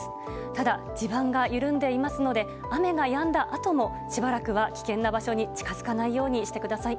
ただ、地盤が緩んでいますので雨がやんだあともしばらくは危険な場所に近づかないようにしてください。